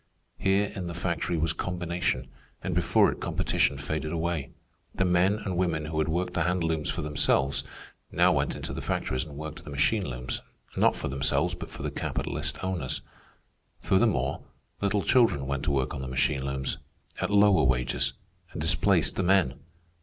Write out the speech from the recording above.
Here in the factory was combination, and before it competition faded away. The men and women who had worked the hand looms for themselves now went into the factories and worked the machine looms, not for themselves, but for the capitalist owners. Furthermore, little children went to work on the machine looms, at lower wages, and displaced the men.